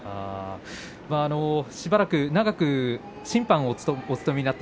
しばらく長く審判をお務めです。